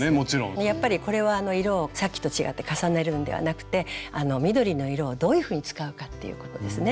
やっぱりこれは色をさっきと違って重ねるんではなくて緑の色をどういうふうに使うかっていうことですね。